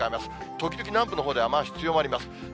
時々南部のほうで雨足強まります。